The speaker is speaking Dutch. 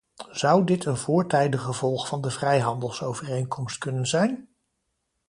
Zou dit een voortijdig gevolg van de vrijhandelsovereenkomst kunnen zijn?